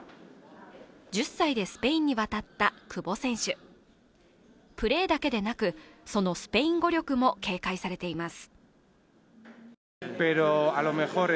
１０歳でスペインに渡った久保選手プレーだけでなくそのスペイン語力も警戒されています